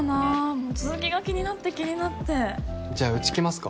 もう続きが気になって気になってじゃあうち来ますか？